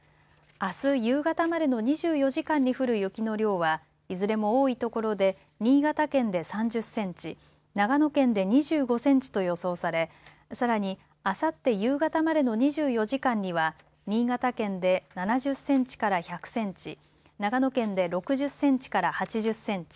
あす夕方までの２４時間に降る雪の量はいずれも多い所で新潟県で３０センチ長野県で２５センチと予想されさらに、あさって夕方までの２４時間には新潟県で７０センチから１００センチ長野県で６０センチから８０センチ